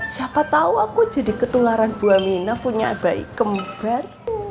siapa tahu aku jadi ketularan buah mirna punya bayi kembar